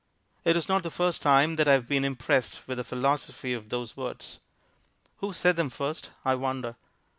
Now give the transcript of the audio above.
It is not the first time that I have been impressed with the philosophy of those words. Who said them first, I wonder.